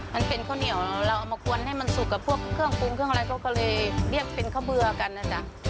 มันเป็นข้าวเหนียวเราเอามาควรให้มันสุกกับพวกเครื่องปรุงเครื่องอะไรเขาก็เลยเรียกเป็นข้าวเบื่อกันนะจ๊ะ